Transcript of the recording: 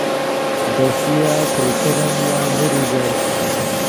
دے ݰویا سئے کرن نیا میر اوژر